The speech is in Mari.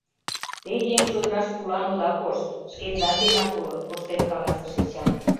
Те еҥ чодыраш пулан ода кошт, шкендан денак уло, — туштен каласыш Эчан.